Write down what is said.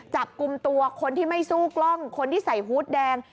จับกลุ่มตัวคนที่ไม่สู้กล้องคนที่ใส่ฮูตแดง